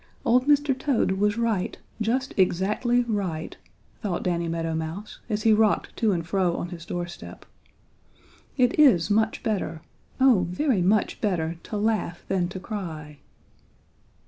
"Old Mr. Toad was right, just exactly right," thought Danny Meadow Mouse, as he rocked to and fro on his doorstep. "It is much better, oh very much better, to laugh than to cry."